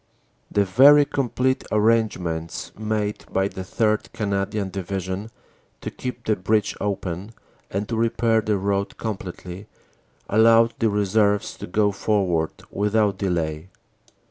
"The very complete arrangements made by the 3rd. Cana dian Division to keep the bridge open, and to repair the road completely, allowed the reserves to go forward without delay.